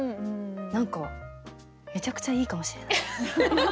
何かめちゃくちゃいいかもしれない。